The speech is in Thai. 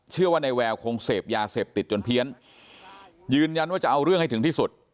เชื่อว่านายแววคงเสพยาเสพติดจนเพี้ยนยืนยันว่าจะเอาเรื่องให้ถึงที่สุด